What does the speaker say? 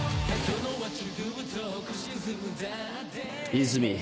和泉。